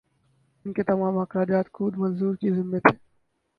اس کے تمام اخراجات خود مزدور کے ذمہ تھے